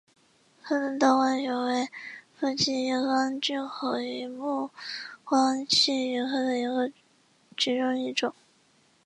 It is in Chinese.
腹灯刀光鱼为辐鳍鱼纲巨口鱼目光器鱼科的其中一种。